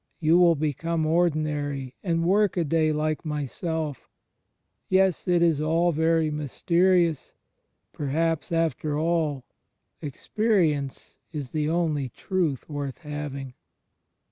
You will become ordinary and workaday like myself. ..• Yes, it is all very mysterious. Perhaps, after all, experi ence is the only truth worth having."